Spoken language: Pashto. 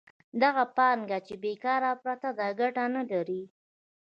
دغه پانګه چې بېکاره پرته ده ګټه نلري